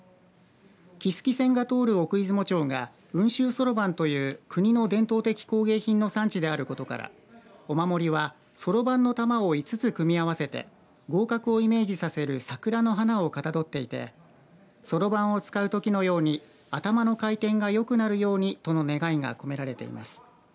木次線が通る奥出雲町が雲州そろばんという国の伝統的工芸品の産地であることからお守りは、そろばんの玉を５つ組み合わせて合格をイメージさせる桜の花をかたどっていてそろばんを使うときのように頭の回転がよくなるようにとの願いが込められています。